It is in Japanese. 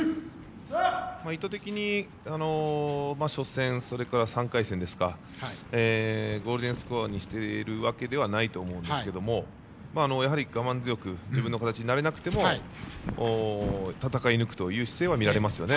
意図的に初戦、３回戦はゴールデンスコアにしているわけではないと思うんですがやはり我慢強く自分の形になれなくても戦い抜く姿勢は見られますね。